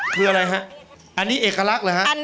คืออะไรฮะอันนี้เอกลักษณ์เหรอฮะ